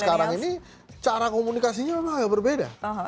sekarang ini cara komunikasinya memang agak berbeda